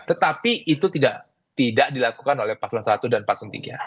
tetapi itu tidak dilakukan oleh paslon satu dan paslon tiga